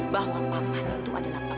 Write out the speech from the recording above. bahwa papa itu adalah pengecut